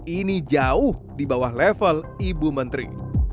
ini jauh di bawah level ibu menteri